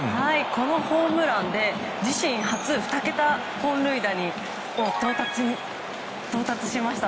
このホームランで自身初２桁本塁打を到達しました。